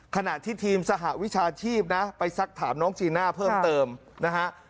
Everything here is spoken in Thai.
ขณะที่ทีมสหวิชาชีพนะไปซักถามน้องจีน่าเพิ่มเติมนะฮะ